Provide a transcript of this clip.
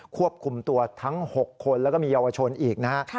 ควบคุมตัวทั้ง๖คนแล้วก็มีเยาวชนอีกนะฮะ